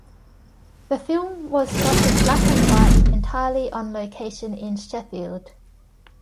The film was shot in black-and-white entirely on location in Sheffield.